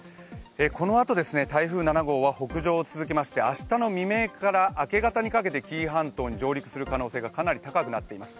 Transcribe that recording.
このあと台風７号は北上を続けまして、明日の未明から明け方にかけて紀伊半島に上陸する可能性がかなり高くなっています。